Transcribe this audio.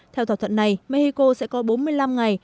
theo thỏa thuận này mexico sẽ có bốn mươi năm ngày